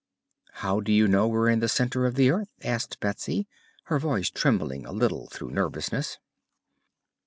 "How do you know we're in the center of the earth?" asked Betsy, her voice trembling a little through nervousness.